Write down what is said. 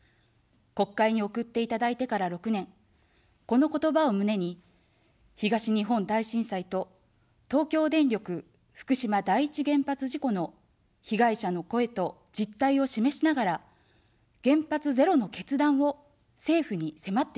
国会に送っていただいてから６年、この言葉を胸に、東日本大震災と、東京電力福島第一原発事故の被害者の声と実態を示しながら、原発ゼロの決断を政府にせまってきました。